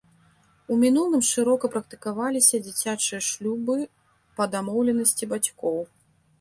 У мінулым шырока практыкаваліся дзіцячыя шлюбы па дамоўленасці бацькоў.